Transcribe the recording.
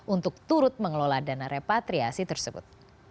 untuk turut mengelola dana repatriasi tersebut